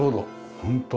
本当。